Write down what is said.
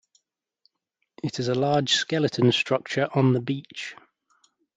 It is a large skeleton structure on the beach.